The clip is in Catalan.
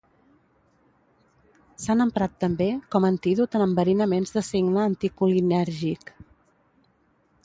S'han emprat, també, com antídot en enverinaments de signe anticolinèrgic.